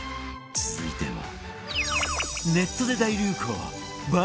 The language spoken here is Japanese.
続いては